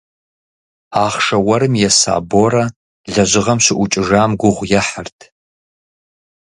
Ахъшэ уэрым еса Борэ лэжьыгъэм щыӏукӏыжам гугъу ехьырт.